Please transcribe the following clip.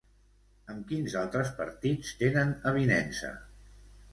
Amb quins altres partits tenen avinença?